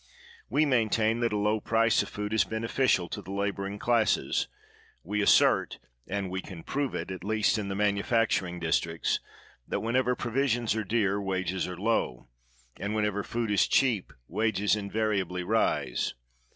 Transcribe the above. "We maintain that a low price of food is beneficial to the laboring classes. We assert, and we can prove it, at (east in the manufacturing districts, that when ever provisions are dear, wages are low; and whenever food is cheap, wages invariably rise.